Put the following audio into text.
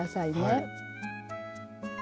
はい。